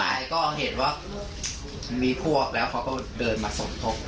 ก็เห็นว่ามีพวกแล้วเขาก็เดินมาสมทบ